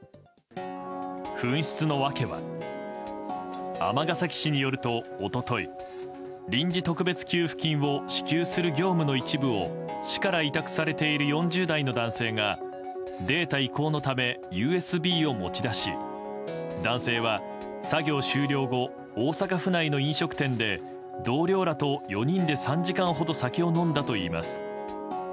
紛失の訳は尼崎市によると、一昨日臨時特別給付金を支給する業務の一部を市から委託されている４０代の男性がデータ移行のためＵＳＢを持ち出し男性は作業終了後大阪府内の飲食店で同僚らと４人で３時間ほど酒を飲んだといいます。